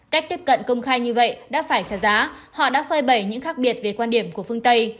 cách tiếp cận công khai như vậy đã phải trả giá họ đã phơi bẩy những khác biệt về quan điểm của phương tây